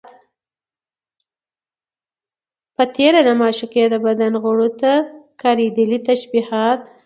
په تېره، د معشوقې د بدن غړيو ته کارېدلي تشبيهات